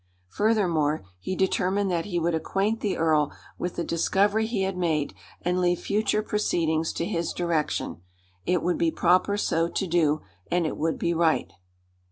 Furthermore, he determined that he would acquaint the earl with the discovery he had made and leave future proceedings to his direction. It would be proper so to do, and it would be right.